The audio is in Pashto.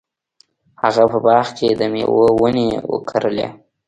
هغه په باغ کې د میوو ونې وکرلې.